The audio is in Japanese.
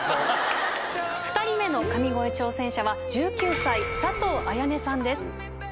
２人目の神声挑戦者は１９歳佐藤絢音さんです。